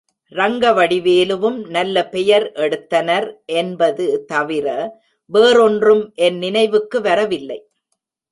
ரங்கவடிவேலுவும் நல்ல பெயர் எடுத்தனர் என்பது தவிர வேறொன்றும் என் நினைவுக்கு வரவில்லை.